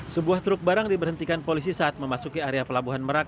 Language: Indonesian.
sebuah truk barang diberhentikan polisi saat memasuki area pelabuhan merak